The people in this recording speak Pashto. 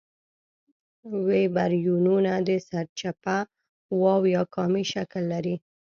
ویبریونونه د سرچپه واو یا کامي شکل لري.